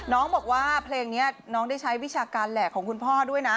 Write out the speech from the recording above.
น้องบอกว่าเพลงนี้น้องได้ใช้วิชาการแหลกของคุณพ่อด้วยนะ